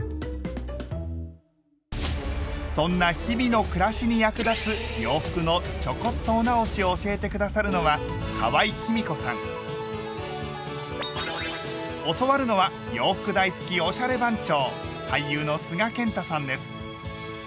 そんな日々の暮らしに役立つ洋服のちょこっとお直しを教えて下さるのは教わるのは洋服大好きおしゃれ番長！